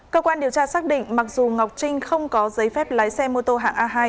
cơ quan điều tra xác định mặc dù ngọc trinh không có giấy phép lái xe mô tô hạng a hai